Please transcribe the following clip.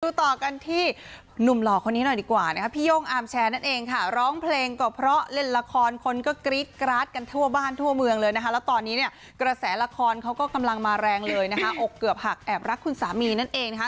ต่อกันที่หนุ่มหล่อคนนี้หน่อยดีกว่านะคะพี่โย่งอาร์มแชร์นั่นเองค่ะร้องเพลงก็เพราะเล่นละครคนก็กรี๊ดกราดกันทั่วบ้านทั่วเมืองเลยนะคะแล้วตอนนี้เนี่ยกระแสละครเขาก็กำลังมาแรงเลยนะคะอกเกือบหักแอบรักคุณสามีนั่นเองนะคะ